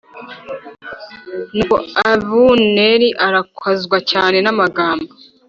Nuko abuneri arakazwa cyane n amagambo